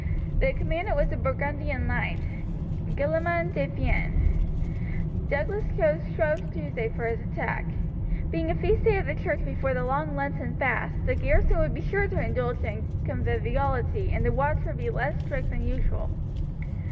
The commandant was a Burgundian knight, Gillemin de Fienne. Douglas chose Shrove Tuesday for his attack. Being a feast day of the church before the long lenten fast the garrison would be sure to indulge in conviviality and the watch would be less strict than usual.